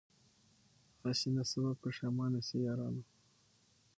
هسي نه سبا پښېمانه سی یارانو